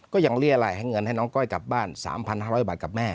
เรียรายให้เงินให้น้องก้อยกลับบ้าน๓๕๐๐บาทกับแม่